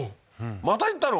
また行ったの？